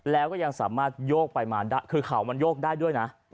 แล้วก็ยังสามารถโยกไปมาได้คือเขามันโยกได้ด้วยนะ